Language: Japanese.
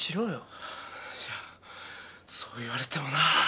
いやそう言われてもな。